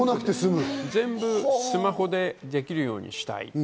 全部スマホでできるようにしたい。